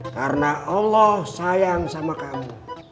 karena allah sayang sama kamu